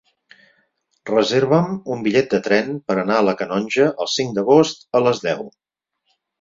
Reserva'm un bitllet de tren per anar a la Canonja el cinc d'agost a les deu.